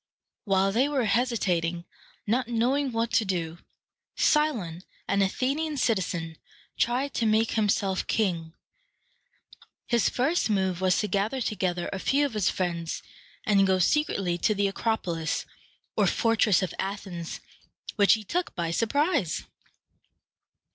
While they were hesitating, not knowing what to do, Cy´lon, an Athenian citizen, tried to make himself king. His first move was to gather together a few of his friends, and go secretly to the Acropolis, or fortress of Athens, which he took by surprise.